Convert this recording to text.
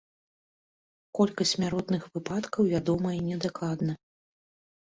Колькасць смяротных выпадкаў вядомая недакладна.